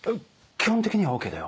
基本的にはＯＫだよ。